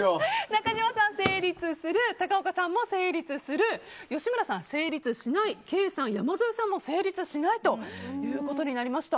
中島さん、成立する高岡さんも成立する吉村さん、成立しないケイさん、山添さんも成立しないと。